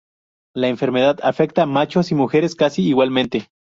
La enfermedad afecta machos y mujeres casi igualmente.